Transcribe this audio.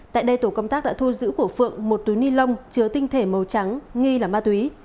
tại đây tổ công tác đã thu giữ của phượng một túi ni lông chứa tinh thể màu trắng nghi là ma túy